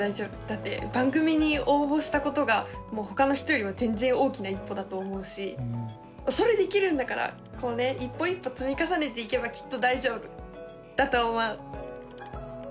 だって番組に応募したことがもう他の人よりも全然大きな一歩だと思うしそれできるんだから一歩一歩積み重ねていけばきっと大丈夫だと思う。